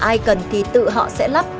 ai cần thì tự họ sẽ lắp